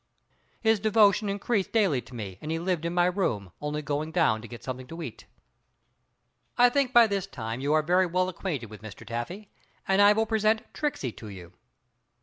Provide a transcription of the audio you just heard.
His devotion increased daily to me and he lived in my room, only going down to get something to eat. I think by this time you are very well acquainted with Mr. Taffy, and I will present Tricksey to you.